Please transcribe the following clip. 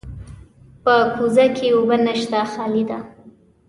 په کوزه کې اوبه نشته، خالي ده.